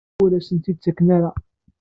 Ur asen-ten-id-tettak ara?